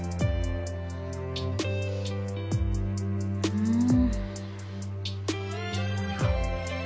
うん！